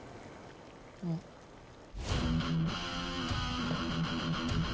あっ。